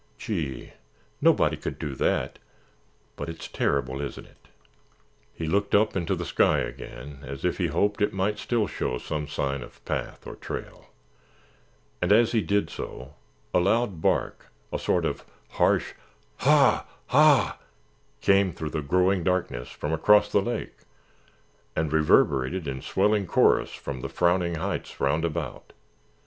"Gee, nobody could do that. But it's terrible, isn't it?" He looked up into the sky again as if he hoped it might still show some sign of path or trail, and as he did so a loud bark, a sort of harsh Haa Haa, came through the growing darkness from across the lake, and reverberated in swelling chorus from the frowning heights roundabout.